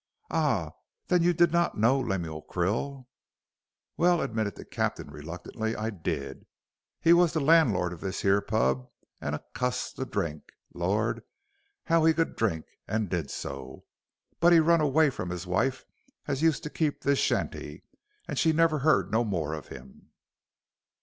"Ah! Then you did not know Lemuel Krill?" "Well," admitted the captain, reluctantly, "I did. He wos the landlord of this here pub, and a cuss to drink. Lor', 'ow he could drink, and did too. But he run away from his wife as used to keep this shanty, and she never heard no more of him."